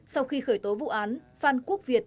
sau khi khởi tố vụ án phan quốc việt